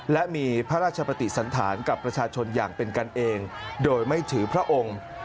และมีพระราชปฏิสันธารกับประชาชนอย่างเป็นกันเองโดยไม่ถือพระองค์